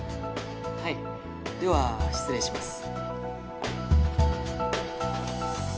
はいでは失礼します